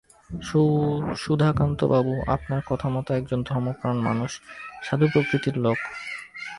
সুধাকান্তবাবু আপনার কথামতো একজন ধর্মপ্রাণ মানুষ, সাধু-প্রকৃতির লোক।